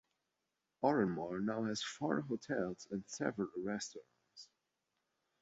Oranmore now has four hotels and several restaurants.